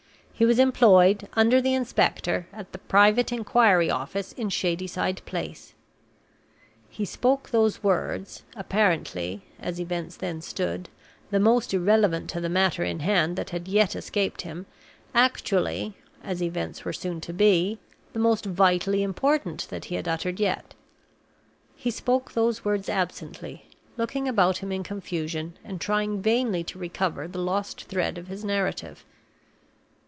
He was employed, under the inspector, at the Private Inquiry Office in Shadyside Place." He spoke those words apparently (as events then stood) the most irrelevant to the matter in hand that had yet escaped him; actually (as events were soon to be) the most vitally important that he had uttered yet he spoke those words absently, looking about him in confusion, and trying vainly to recover the lost thread of his narrative.